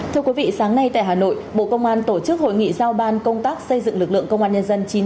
thưa quý vị sáng nay tại hà nội bộ công an tổ chức hội nghị giao ban công tác xây dựng lực lượng công an nhân dân